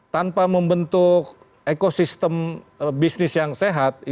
tanpa membentuk ekosistem bisnis yang sehat